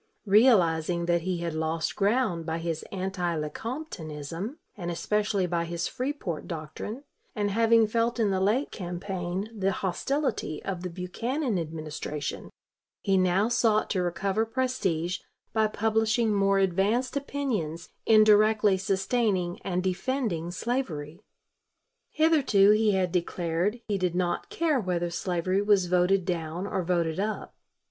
Realizing that he had lost ground by his anti Lecomptonism, and especially by his Freeport doctrine, and having felt in the late campaign the hostility of the Buchanan Administration, he now sought to recover prestige by publishing more advanced opinions indirectly sustaining and defending slavery. Hitherto he had declared he did not care whether slavery was voted down or voted up.